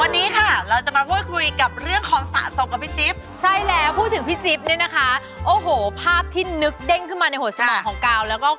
นี่คุณเปล่าที่เคยต้นใช้๓ข้อเลยเลยนะครับแล้ว